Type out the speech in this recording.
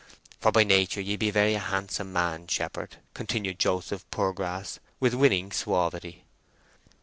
"For by nature ye be a very handsome man, shepherd," continued Joseph Poorgrass, with winning sauvity.